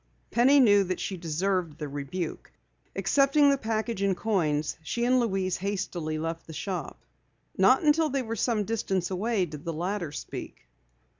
Penny knew that she deserved the rebuke. Accepting the package and coins, she and Louise hastily left the shop. Not until they were some distance away did the latter speak.